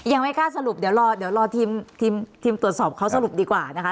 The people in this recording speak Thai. ยังไม่กล้าสรุปเดี๋ยวรอเดี๋ยวรอทีมตรวจสอบเขาสรุปดีกว่านะคะ